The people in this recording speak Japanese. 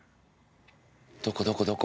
どこどこどこ？